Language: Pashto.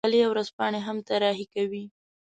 مجلې او ورځپاڼې هم طراحي کوي.